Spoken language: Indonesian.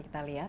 oke udah dulu